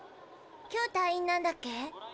今日退院なんだっけ？